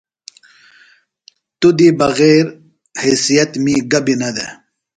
توۡ دی بغیرحیثیت می گہ بیۡ نہ دےۡ۔